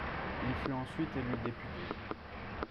Il fut ensuite élu député.